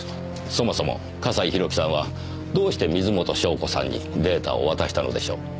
そもそも笠井宏樹さんはどうして水元湘子さんにデータを渡したのでしょう？